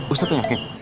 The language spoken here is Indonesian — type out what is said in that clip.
ustadz tuh yakin